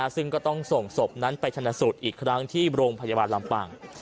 ซึ่งก็ต้องส่งศพนั้นไปชนะสูตรอีกครั้งที่โรงพยาบาลลำปาง